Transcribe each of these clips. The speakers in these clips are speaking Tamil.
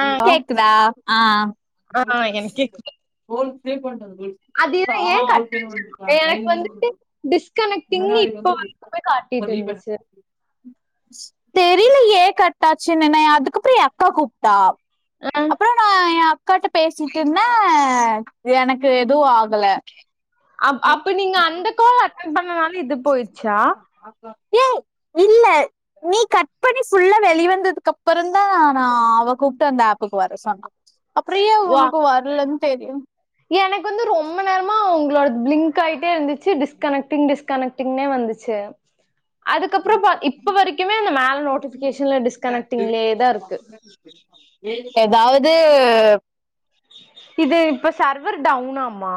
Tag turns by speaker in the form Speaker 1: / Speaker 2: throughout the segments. Speaker 1: ஆ
Speaker 2: கேக்குதா ஆ
Speaker 1: ஆ எனக்கு கேக்குது
Speaker 2: ஃபோன்பே பண்ணிடே அந்த போலீஸ்
Speaker 1: அதுதா ஏ கட்டாச்சி எனக்கு வந்துட்டு டிஸ்கனெக்டிங்ன்னு இப்ப வ ந்து காட்டிட்டு இருந்துச்சு
Speaker 2: தெரியல ஏ கட்டாச்சு நினை அதுக்கப்பற ஏ அக்கா கூப்ட்டா
Speaker 1: ஆ
Speaker 2: அப்பற நா ஏ அக்காட்ட பேசிட்ருந்தே எனக்கு எது ஆகல
Speaker 1: ஆ அப்ப நீங்க அந்த கோல அட்டன் பண்ணனாலு இது போயிடுச்சா
Speaker 2: [inaudible] ஏய்
Speaker 1: [inaudible]
Speaker 2: இல்ல நீ கட் பண்ணி ஃபுல்லா வெளி வந்ததுக்கப்பறந்தா நா அவ கூப்ட்டு அந்த ஆப்புக்கு வர சொன்னா அப்ற ஏ
Speaker 1: வா
Speaker 2: உனக்கு வரலன்னு தெரியு
Speaker 1: எனக்கு வந்து ரொம்ப நேரமா உங்களோட ப்லிங்க் ஆகிட்டே இருந்துச்சு டிஸ்கனக்டிங் டிஸ்க் கனெக்டிங்னே வந்துச்சு அதுக்கப்றப்ப இப்ப வரைக்குமே அந்த மேல நோட்டிபிகேஷன்ல டிஸ்கனெக்டிங்கலயே தா இருக்கு
Speaker 2: ஏதாவது
Speaker 1: இது இப்ப சர்வர் டவுன்னாமா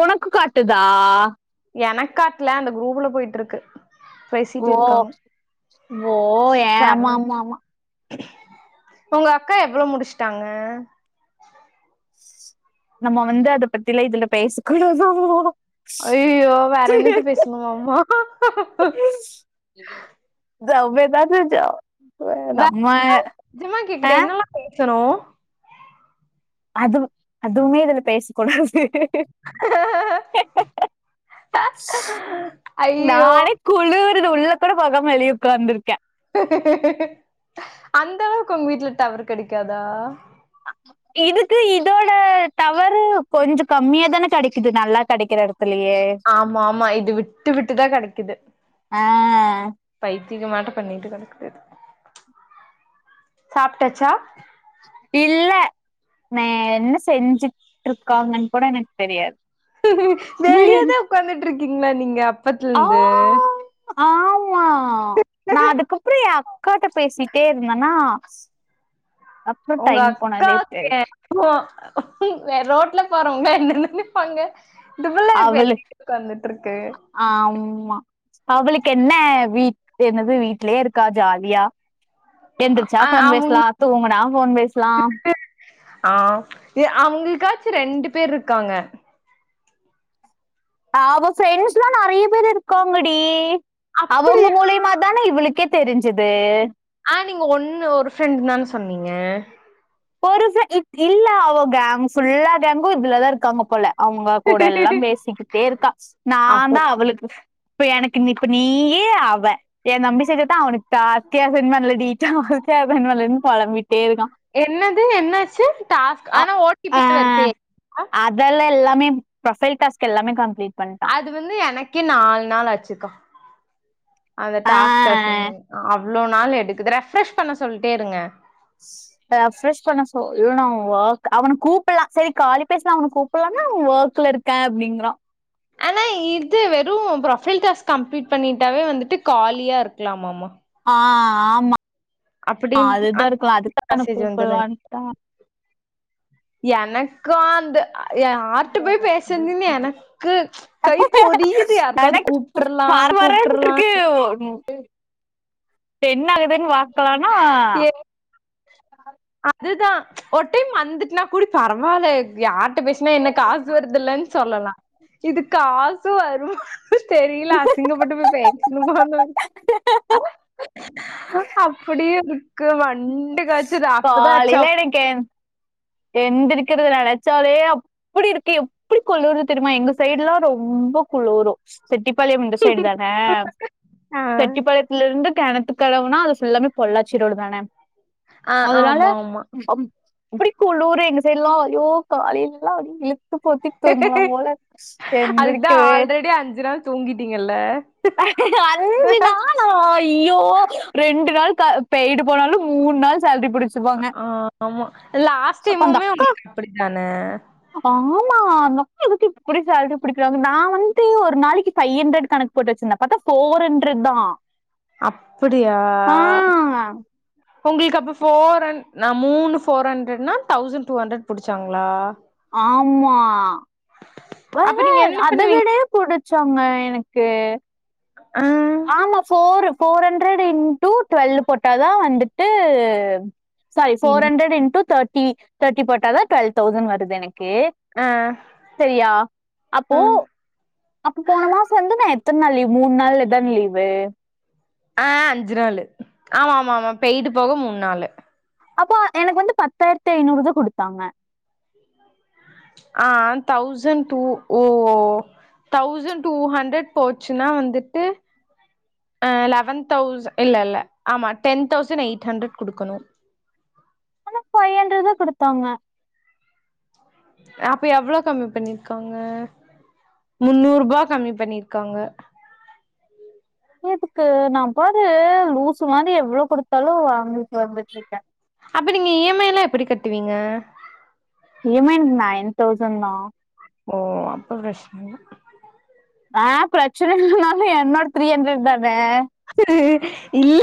Speaker 2: ஒனக்கு காட்டுதா
Speaker 1: எனக்காட்ல அந்த குரூப்ல போயிட்ருக்கு
Speaker 2: ஓ
Speaker 1: பேசிட்ருக்காங்க
Speaker 2: ஓ
Speaker 1: சர்
Speaker 2: ஏமா ஆமா ஆமா
Speaker 1: உங்கக்கா எவ்ளோ முடிச்சுட்டாங்க
Speaker 2: நம்ம வந்து அத பத்திலா இதுல பேசக் கூடாது
Speaker 1: அய்யோ வேற என்னத்து பேசணுமாமா
Speaker 2: ஜ பேதாது ஜ
Speaker 1: ஜமா கேக்குற
Speaker 2: ஆ
Speaker 1: என்னல்லா பேசணு
Speaker 2: அது அதுவுமே இதுல பேசக்கூடாது
Speaker 1: ஐயோ
Speaker 2: நானே குளூர்து உள்ள கூட போகாம வெளிய உக்காந்துருக்கே
Speaker 1: அந்த அளவுக்கு உங்க வீட்ல டவர் கெடைக்காதா
Speaker 2: ஆ இதுக்கு இதோட டவறு கொஞ்ச கம்மியா தானே கெடைக்குது நல்லா கெடைக்கிற எடத்துலயே
Speaker 1: ஆமா ஆமா இது விட்டு விட்டுதா கெடைக்குது
Speaker 2: ஆ,
Speaker 1: பைத்திகமாட்ட பண்ணிட்டு கடக்குது சாப்ட்டாச்சா
Speaker 2: இல்ல நா என்ன செஞ்சு ட்ருக்காங்கன்னு கூட எனக்கு தெரியாது
Speaker 1: உக்காந்துட்ருக்கீங்களா நீங்க
Speaker 2: ஆ,
Speaker 1: அப்பத்துலருந்து
Speaker 2: ஆமா நா அதுக்கப்பற ஏ அக்காட்ட பேசிட்டே இருந்தன்னா
Speaker 1: உங்க அக்கா
Speaker 2: தெரியல
Speaker 1: [inaudible] வேற ரோட்ல போறவங்க என்ன நெனைப்பாங்க இந்த புள்ள இதுக்கு வெளட்டுக்கு உக்காந்துட்ருக்கு
Speaker 2: ஆம்மா அவளுக்கு என்ன வீட் என்னது வீட்லயே இருக்கா ஜாலியா என்திருச்சா
Speaker 1: அ-
Speaker 2: ஃபோன்
Speaker 1: அவங்க
Speaker 2: பேசலா தூங்னா ஃபோன் பேசலா
Speaker 1: ஆ அவங்களுக்காச்சு ரெண்டு பேர் இருக்காங்க
Speaker 2: அவ ஃப்ரெண்ட்ஸ்லா நறைய பேர் இருக்காங்கடி அவங்க
Speaker 1: அப்படியா
Speaker 2: மூலியமா தானே இவளுக்கே தெரிஞ்சுது
Speaker 1: ஆ நீங்க ஒன்னு ஒரு ஃப்ரெண்டு் தான சொன்னீங்க
Speaker 2: ஒரு ஃப்ர இ இல்ல அவ கேங் ஃபுல்லா கேங்கும் இதுலதா இருக்காங்க போல அவங்க கூடல்லா பேசிக்கிட்டே இருக்கா நா
Speaker 1: அப்போ
Speaker 2: தா அவளுக்கு இப்ப எனக்கு நீ இப்ப நீயே அவ என் தம்பி செஞ்சதா அவனுக்கு தாஸ்த்தியா செஞ்சான்லடி ஜாஸ்தியா செஞ்சான்லடின் பொளம்பிட்டே இருக்கா
Speaker 1: என்னது என்னாச்சு டாஸ்க்
Speaker 2: அ
Speaker 1: ஆனா ஓட்டிபி
Speaker 2: ஆ
Speaker 1: வருசே
Speaker 2: அதெல்லா எல்லாமே ப்ரொஃபைல் டாஸ்க் எல்லாமே கம்ப்ளீட் பண்
Speaker 1: அது வந்து எனக்கே நாலு நாள் ஆச்சுக்கா அந்த
Speaker 2: ஆ
Speaker 1: டாஸ்க் சசன் அவ்ளோ நாள் எடுக்குது ரெஃப்ரெஷ் பண்ண சொல்ட்டே இருங்க
Speaker 2: ரெஃப்ரஷ் பண்ண சொல்னு அவ ஒர்க் அவன கூப்ட்லா சரி காலி பேசலா அவன கூ ப்லான்னா ஒர்க்ல இருக்க அப்டிங்றா
Speaker 1: ஆனா இது வெறு ப்ரொஃபைல் டாஸ்க் கம்ப்ளீட் பண்ணிட்டாவே வந்துட்டு காலியா இருக்கலாமாம்மா
Speaker 2: ஆ ஆமா
Speaker 1: அப்டின்
Speaker 2: அதுதா
Speaker 1: அந்
Speaker 2: இருக்லா அதுக்கு அவன
Speaker 1: மெசேஜ் வந்துருங்
Speaker 2: கூப்ட்லான்தா
Speaker 1: எனக்கு அந்த யார்ட்ட போய் பேசறதுன்னு எனக்கு கை பொரியுது யாருக்காவது கூப்
Speaker 2: பர பரன்ட்ருக்கு என்ன ஆகுதுன் பாக்கலானா
Speaker 1: ஏ அதுதா ஒரு டைம் வந்துட்டுனா கூடி பரவால்ல யார் ட்ட பேசினா என்ன காசு வருதுல்லன் சொல்லலா இது காசு வருமா தெரில அசிங்கப்பட்டு போய் பேசனுமானு எதுக்கு வண்
Speaker 2: காலைல எனக்கேன் எந்திரிக்கிறத நெனச்சாலே அப் அப்டி இருக்கு எப்டி குளுருது தெரிமா எங்க சைடு்லா ரொம்ப குளுரு செட்டிப்பாளையம் இந்த சைடு தான
Speaker 1: ஆ
Speaker 2: செட்டிப்பாளையத்ல இருந்து கெணத்து கடவுனா ஃபுல்லாமே பொள்ளாச்சி ரோடு தான
Speaker 1: ஆ
Speaker 2: அதனால
Speaker 1: ஆமா ஆமா
Speaker 2: சம் குளூரு எங்க சைட்ல்லா ஐயோ காலைலலா அப்டி இழுத்து போத்தி தூங்கனு போல
Speaker 1: அதுக்குதா
Speaker 2: எந்திரிக்கவே
Speaker 1: ஆல்ரெடி அஞ்சு நாள் தூங்கிட்டீங்கல்ல
Speaker 2: அஞ்சு நாள் ஐயோ ரெண்டு நாள் கா பெய்டு போனாலு மூன் நாள் சேலரி புடிச்சு
Speaker 1: ஆ ஆமா லாஸ்ட்
Speaker 2: அப்ப அந்த
Speaker 1: டைமுமே உங்களுக்கு அப்டித்தான
Speaker 2: ஆமா [unintelligible] எதுக்கு இப்டி சாலரி புடிக்குறாங்க நா வந்து ஒரு நாளைக்கு ஃபைவ் ஹண்ட்ரட் கணக் போட்டு வச்சிருந்த பாத்தா ஃபோர் ஹண்ட்ரட்தா
Speaker 1: அப்டியா உங்களுக்கு அப்போ ஃபோர் ஹ நா மூணு ஃபோர் ஹண்ட்ரட்னா தௌசண்ட் டூ ஹண்ட்ரட் புடிச்சாங்ளா
Speaker 2: ஆமா வ
Speaker 1: அப்ப
Speaker 2: ஹ
Speaker 1: நீங்க என்ன
Speaker 2: அதை
Speaker 1: பண்ணுவீங்க
Speaker 2: விடே புடிச்சாங்க எனக்கு
Speaker 1: ஆ
Speaker 2: ஆமா four four hundred into twelve போட்டாதா வந்துட்டு sorry
Speaker 1: in
Speaker 2: four hundred into thirty thirty போட்டாதா டுவெல் தௌசண்ட் வருது எனக்கு
Speaker 1: அ
Speaker 2: செரியா அப்போ அப்ப போன மாச வந்து நா எத்தன் நாள் லீவு மூணு நாள்லதான லீவு
Speaker 1: ஆ அஞ்சு நாள் ஆமா மா மா பெய்டு போக மூணு நாளு
Speaker 2: அப்போ எனக்கு வந்து பத்தாயிரத்தி ஐநூறுதா குடுத்தாங்க
Speaker 1: அ தௌசண்ட் டூ ஓ ஓ தௌசண்ட் டூ ஹண்ட்ரட் போச்சுன்னா வந்துட்டு லெவன் தௌஸ் இல்ல இல்ல ஆமா டென் தௌசண்ட் எயிட் ஹண்ட்ரட் குடுக்கணு
Speaker 2: ஆனா பைஹூண்டரெட் தா குடுத்தாங்க
Speaker 1: அப்ப எவ்ளோ கம்மி பண்ணிருக்காங்க முன்னூரூபா கம்மி பண்ணிருக்காங்க
Speaker 2: எதுக்கு நா பாரு லூசு மாரி எவ்ளோ குடுத்தாலு வாங்கிட்டு வந்துட்ருக்கே
Speaker 1: அப்ப நீங்க இ எம் ஐ லா எப்டி கட்டுவீங்க
Speaker 2: E M I nine thousand தா
Speaker 1: ஓ அப்ப ப்ரச்சனை இல்ல
Speaker 2: அ பிரச்சனை இல்லனாலு என்னோட த்ரீ அண்ரெட் தான
Speaker 1: இல்ல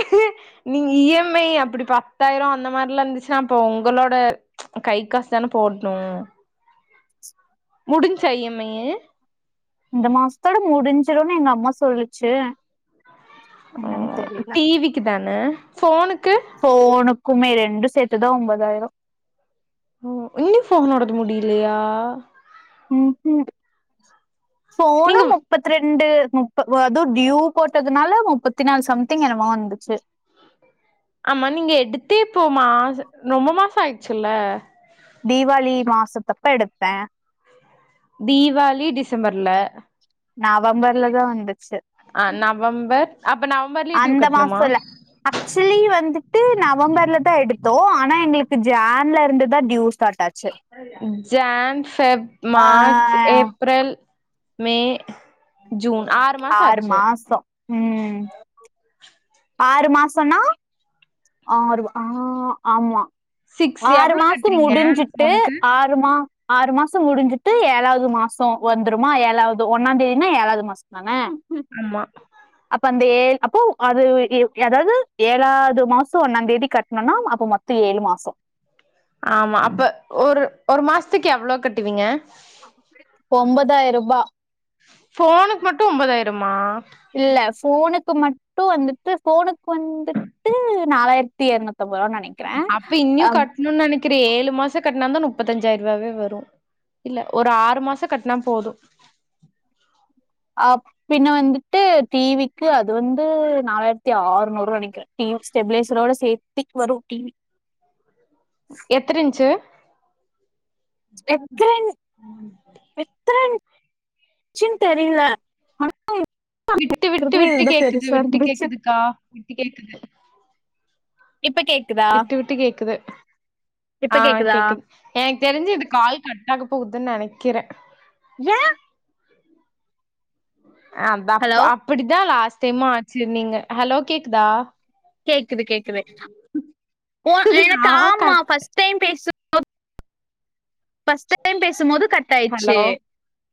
Speaker 1: நீங்க இ எம் ஐ அப்டி பத்தாயிர அந்த மாரிலா இருந்துச்சுன்னா அப்ப உங்களோட கை காசு தான போட்ணு முடிஞ்சா இ எம் ஐயு
Speaker 2: இந்த மாசத்தோட முடிஞ்சிடும்ன்னு எங்கம்மா சொல்லுச்சு
Speaker 1: ஓ
Speaker 2: என்னன்னு தெரியல
Speaker 1: டி விக்கு தான போனுக்கு
Speaker 2: போன்னுக்குமே ரெண்டு சேத்துதா ஒம்பதாயிர
Speaker 1: அ இன்னி போன்னோடது முடியலையா
Speaker 2: ம் ம் போனு
Speaker 1: நீங்க
Speaker 2: மு முப்பத்தி ரெண்டு முப்ப அதுவு டியூ போட்டதுனால முப்பத்தி நாலு சம்திங் என்னமோ வந்துச்சு
Speaker 1: ஆமா நீங்க எடுத்தே போமா ரொம்ப மாச ஆயிடுச்சுல்ல
Speaker 2: தீபாளி மாசத்தப்ப எடுத்தே
Speaker 1: தீவாளி டிசம்பர்ல
Speaker 2: நவம்பர்ல தா வந்துச்சு
Speaker 1: அ நவம்பர் அப்ப நவம்பர்லயே டியூ
Speaker 2: அந்த
Speaker 1: கட்ணுமா
Speaker 2: மாசம் இல்ல ஆக்சுவலி வந்துட்டு நவம்பர்ல தா எடுத்தோ ஆனா எங்களுக்கு ஜான்ல இருந்து தா டியூ ஸ்டார்ட் ஆச்சு
Speaker 1: ஜான் ஃபெப்
Speaker 2: ஆ
Speaker 1: மார்ச் ஏப்ரல் மே ஜூன் ஆறு மாச ஆச்சு
Speaker 2: ம் ஆறு மாசன்னா ஆறு ஆ ஆமா
Speaker 1: சிக்ஸ்
Speaker 2: ஆறு
Speaker 1: எவ்ளோ
Speaker 2: மாசத்து
Speaker 1: கட்றீங்க அந்த
Speaker 2: முடிஞ்சுட்டு
Speaker 1: ஃபோனுக்கு
Speaker 2: ஆ ஆறு மாச முடிஞ்சுட்டு ஏழாவது மாச வந்துருமா ஏழாவது ஒன்னா தேதினா ஏழாவது மாச மான [unintelligible]
Speaker 1: ம்மா
Speaker 2: அப்ப அந்த ஏ அப்போ அது ஏதாவது ஏழாவது மாச ஒன்னா தேதி கட்ணும்னா அப்ப மொத்த பத்து ஏழு மாச
Speaker 1: ஆமா அப்ப ஒரு ஒரு மாசத்துக்கு எவ்ளோ கட்டுவீங்க
Speaker 2: ஒம்பதாய்ரூபா
Speaker 1: போனுக்கு மட்டு ஒம்பதாயிரமா
Speaker 2: இல்ல போனுக்கு மட்டு வந்துட்டு போனுக்கு வந்து ட்டு நாலாயிரத்தி எரநூத்தம்பது ரூபா நெனை
Speaker 1: அப்ப இன்னியு கட்ணுனு நெனைக்கிறே ஏழு மாசோ கட்டினாந்தா முப்பத்திஞ்சாயிரரூவாவே வரு இல்ல ஒரு ஆறு மாசோ கட்டுனா போது
Speaker 2: அ பின்ன வந்துட்டு டி விக்கு அது வந்து நாலாயிரத்தி ஆறுநூறுவா நெனைக்கிறே டீம் ஸ்டெபிலைசரோட சேத்திக்கு வரு டி வி
Speaker 1: எத்தர இஞ்சு
Speaker 2: எத்திரன் எத்திரன் ச்சுன்னு தெரில
Speaker 1: விட்டு விட்டு விட்டு
Speaker 2: இதுதான்
Speaker 1: கேக்குது
Speaker 2: பெருசா
Speaker 1: விட்டு
Speaker 2: இருந்துச்சு.
Speaker 1: கேக்குதுக்கா விட்டு கேக்குது
Speaker 2: இப்ப கேக்
Speaker 1: விட்டு விட்டு கேக்குது
Speaker 2: இப்ப
Speaker 1: ஆ
Speaker 2: கேக்குதா?
Speaker 1: கேக்கு எனக்கு தெரிஞ்சு இது கால் கட்டாக போகுதுன் நெனைக்கிறே
Speaker 2: ஏ
Speaker 1: ஆ தப்
Speaker 2: ஹலோ
Speaker 1: அப்டி தா லாஸ்ட் டைமு ஆச்சு நீங்க ஹலோ கேக்குதா
Speaker 2: கேக்குது கேக்குது ஓ எனக்கு
Speaker 1: நா
Speaker 2: ஆமா
Speaker 1: கட்
Speaker 2: ஃபஸ்ட் டைம் பேசு ஃபஸ்ட் டைம் பேசும்போது கட்டாயிர்ச்சு
Speaker 1: ஹலோ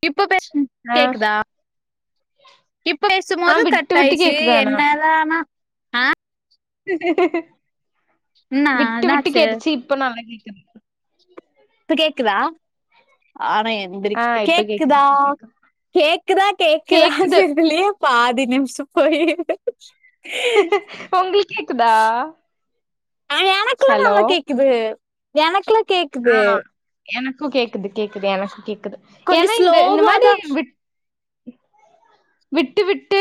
Speaker 2: இப்ப பே
Speaker 1: ஆ
Speaker 2: கேக்குதா இப்ப பேசு
Speaker 1: ஆ
Speaker 2: போது
Speaker 1: விட்டு விட்டு
Speaker 2: கட்டாயிர்ச்சு
Speaker 1: கேக்குது ஆனா
Speaker 2: என்னதானா என்னா
Speaker 1: விட்டு விட்டு
Speaker 2: என்னாச்சு
Speaker 1: கேட்டிச்சு இப்ப நல்லா கேக்குது
Speaker 2: இப்ப கேக்குதா ஆனா எந்திரி
Speaker 1: ஆ இப்ப கேக்குது
Speaker 2: கேக்குதா
Speaker 1: இப்ப கேக்குது
Speaker 2: கேக்குதா கேக்குதா
Speaker 1: கேக்குது
Speaker 2: சொல்லியே பாதி நிம்ஷோ போயிரு
Speaker 1: ஒங்ளுக் கேக்குதா
Speaker 2: ஆ எனக்ல்லா
Speaker 1: ஹலோ
Speaker 2: நல்லா கேக்குது எனக்ல்லா
Speaker 1: ஆ
Speaker 2: கேக்குது
Speaker 1: எனக்கு கேக்குது கேக்குது எனக்கு கேக்குது
Speaker 2: கொஞ்சோ
Speaker 1: ஏனா இந்த இந்த மாரி
Speaker 2: ஸ்லோவாதா
Speaker 1: விட் விட்டு விட்டு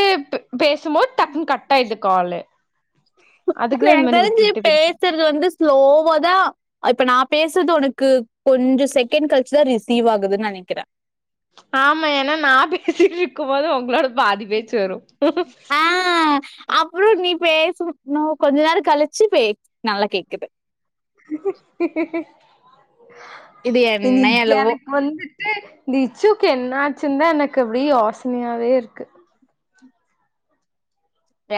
Speaker 1: பேசும்போது டக்குன்னு கட்டாயிருது காலு அதுக்குதா இந்த மாரி விட்டு விட்டு பே
Speaker 2: இது வந்து ஸ்லோவாதா ஆ இப்ப நா பேசுறது ஒனக்கு கொஞ்சோ செகண்ட் கழ்ச்சுதா ரிசீவ் ஆகுதுன் நெனைக்கிறே
Speaker 1: ஆமா ஏனா நா பேசிட்ருக்கு போது ஒங்களோடது
Speaker 2: ஆ அப்றோ நீ பேசு ன்னு கொஞ்ச நேரோ கழ்ச்சு பே நல்லா கேக்குது இது
Speaker 1: ஏ
Speaker 2: என்ன
Speaker 1: இத்து
Speaker 2: எலவோ
Speaker 1: எனக்கு வந்து நிச்சுக்கு என்னாச்சுந்தா எனக்கு அப்டி யோசனயாவேருக்கு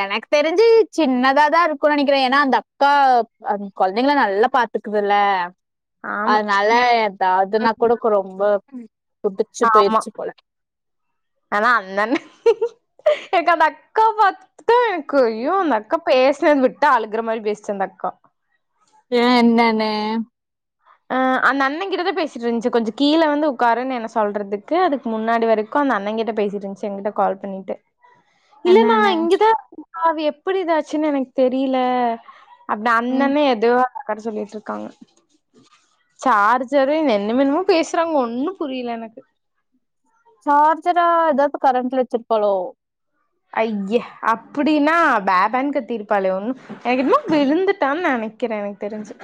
Speaker 2: எனக்கு தெரிஞ்சு சின்னதா தா இருக்கு நெனைக்கிறே ஏனா அந்த அக்கா கொழ்ந்தைங்கள நல்லா பாத்துக்குதுல்ல
Speaker 1: ஆமா
Speaker 2: அதுனாலா எதாதுனா குடுக்கு ரொம்ப புடிச்சு
Speaker 1: ஆமா
Speaker 2: போயிருச்சு போல
Speaker 1: ஆனா அந்தண்ணே எனக்கு அந்தக்கா பாத் துட்டு க்கு ஐயோ அந்தக்கா பேசலேன் விட்டா அழுகுற மாரி பேசுச்சு அந்தக்கா
Speaker 2: ஏ என்னனு
Speaker 1: ஆ அந்தண்ணே கிட்டதா பேசிட்ருந்துச்சு கொஞ்சோ கீழ வந்து ஒக்காருன் என்ன சொல்றதுக்கு அதுக்கு முன்னாடி வரை க்கு அந்தண்ணே கிட்ட பேசிட்ருந்துச்சு எ கிட்ட கால் பண்ணிட்டு இல்ல நா
Speaker 2: என்னன்னு
Speaker 1: இங்கதா அது எப்டி இதாச்சுன் எனக்கு தெரில அப்டி
Speaker 2: ம்
Speaker 1: அந்தண்ணே எதுவோ அந்தக்காட்ட சொல்லிட்ருக்காங்க சார்ஜரு என்ன என்னமோ பேசுறாங்க ஒண்ணு புரில எனக்கு
Speaker 2: சார்ஜரா எதா ப்ப கரண்ட்ல வச்சுருப்பாலோ
Speaker 1: அய்ய அப்டின்னா பே பே கத்திருப்பாளே ஒண்ணு எனக்கென்னமோ விழுந்துட்டான் நெனை க்கிறே எனக்கு தெரிஞ்சு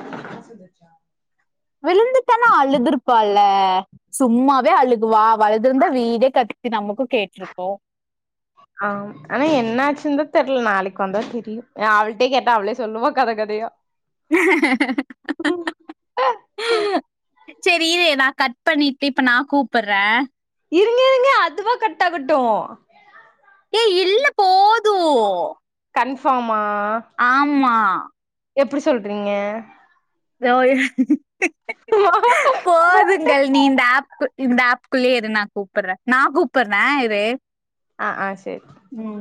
Speaker 2: விழுந்துட்டானா அழுதுருப்பால சும்மாவே அழுகுவா அவழுதுருந்த வீடே கத்தி நமக்கு கேட்ருக்கு
Speaker 1: ஆம் ஆனா என்ன ஆச்சுன்தா தெர்ல நாளைக்கு வந்தா தெரியு ஏ அவள்ட்டே கேட்டா அவளே சொல்லுவா கத கதயா
Speaker 2: சேரி இரு நா கட் பண்ணிட்டு இப்ப நா கூப்புற
Speaker 1: இருங்க இருங்க அதுவா கட்டாகட்டு
Speaker 2: ஏ இல்ல போது
Speaker 1: கன்ஃபார்மா
Speaker 2: ஆமா
Speaker 1: எப்டி சொல்றீங்க
Speaker 2: தோ போதுங்கள் நீ இந்த ஆப் இந்த ஆப் குள்ளயே இரு நா கூப்புட்ற நா கூப்புட்ற இரு
Speaker 1: அ ஆ செரி
Speaker 2: ம்